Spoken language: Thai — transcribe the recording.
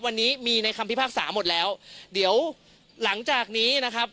วันนี้มีในคำพิพากษาหมดแล้วเดี๋ยวหลังจากนี้นะครับ